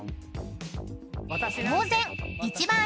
［当然］